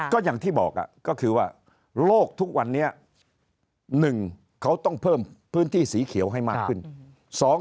ก็อย่างที่บอกก็คือว่าโลกทุกวันนี้๑เขาต้องเพิ่มพื้นที่สีเขียวให้มากขึ้น